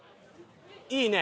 いいね。